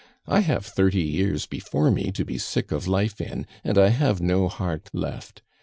I have thirty years before me to be sick of life in, and I have no heart left.